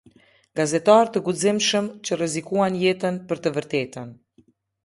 Gazetarë të guximshëm që rrezikuan jetën për të vërtetën.